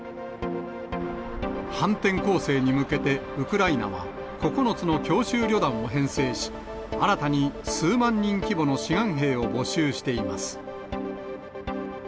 反転攻勢に向けて、ウクライナは、９つの強襲旅団を編成し、新たに数万人規模の志願兵を募集しています。